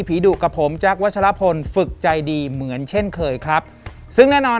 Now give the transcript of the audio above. ดุกับผมแจ๊ควัชลพลฝึกใจดีเหมือนเช่นเคยครับซึ่งแน่นอน